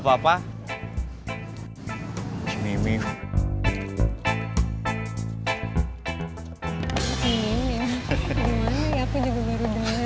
gimana ya aku juga baru daerah